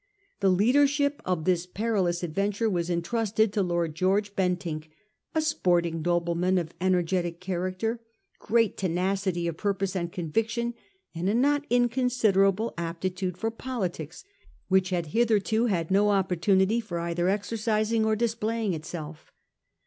The leadership of this perilous adventure was entrusted to Lord George Bentinck, a sporting nobleman of energetic character, great tenacity of purpose and conviction, and a not inconsiderable aptitude for politics which had hitherto had no oppor tunity for either exercising or displaying itself.